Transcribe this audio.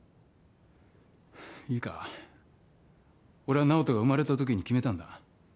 いいか俺は直人が生まれたときに決めたんだ。